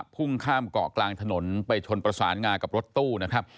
พุ่งข้ามเกาะกลางถนนไปชนประสานงากับรถตู้นะครับ